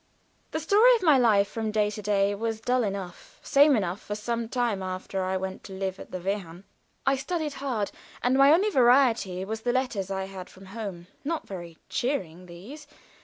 The story of my life from day to day was dull enough, same enough for some time after I went to live at the Wehrhahn. I was studying hard, and my only variety was the letters I had from home; not very cheering, these.